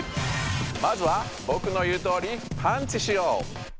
まずはぼくの言うとおりパンチしよう。